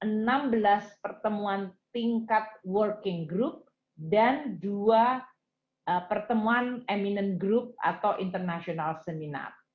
empat pertemuan tingkat deputi enam belas pertemuan tingkat working group dan dua pertemuan eminent group atau international seminar